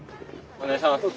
お願いします。